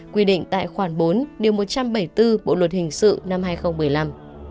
quy định tại khoản bốn điều một trăm bảy mươi bốn bộ luật hình sự năm hai nghìn một mươi năm